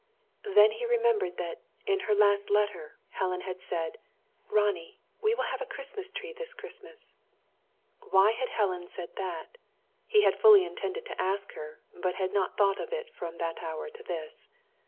Then he remembered that, in her last letter, Helen had said: "Ronnie, we will have a Christmas tree this Christmas." Why had Helen said that? He had fully intended to ask her, but had not thought of it from that hour to this.